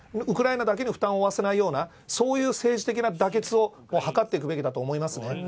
ウクライナだけに負担を負わせないようなそういう政治的な妥結を図っていくべきだと思いますね。